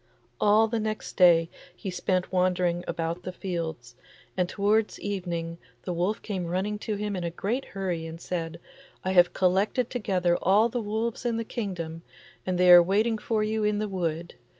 All the next day he spent wandering about the fields, and toward evening the wolf came running to him in a great hurry and said, 'I have collected together all the wolves in the kingdom, and they are waiting for you in the wood.